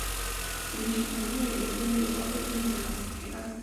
其市场地位也逐渐被消费电子展取代。